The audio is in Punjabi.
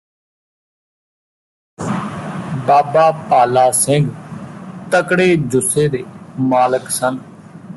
ਬਾਬਾ ਪਾਲਾ ਸਿੰਘ ਤਕੜੇ ਜੁੱਸੇ ਦੇ ਮਾਲਕ ਸਨ